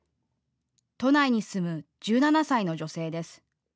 都内に住む１７歳の女性です。